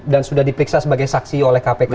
dan sudah diperiksa sebagai saksi oleh kpk